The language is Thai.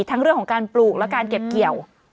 ทั้งเรื่องของการปลูกและการเก็บเกี่ยว